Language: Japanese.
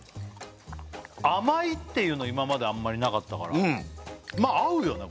甘いっていうの今まであんまりなかったからまあ合うよね